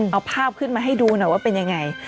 เอาภาพขึ้นมาให้ดูหน่อยว่าเป็นยังไง